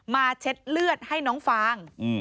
เช็ดเลือดให้น้องฟาง